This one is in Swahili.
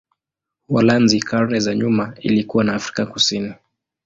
Uholanzi karne za nyuma ilikuwa na Afrika Kusini.